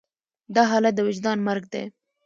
دا حالت د وجدان مرګ دی.